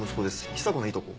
久子のいとこ。